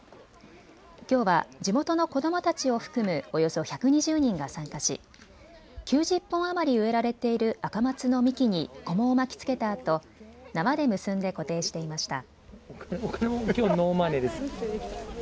きょうは地元の子どもたちを含むおよそ１２０人が参加し９０本余り植えられているアカマツの幹にこもを巻きつけたあと縄で結んで固定していました。